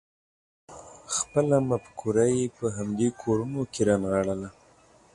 خپله مفکوره یې په همدې کورونو کې رانغاړله.